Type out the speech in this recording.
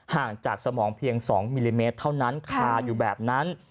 ห่างจากสมองเพียง๒มิลลิเมตรเท่านั้นคาอยู่แบบนั้น